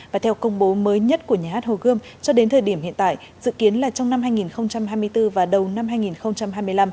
và theo công bố mới nhất của nhà hát hồ gươm cho đến thời điểm hiện tại dự kiến là trong năm hai nghìn hai mươi bốn và đầu năm hai nghìn hai mươi năm